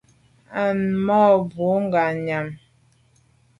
Á ma’ mbwe ngabnyàm.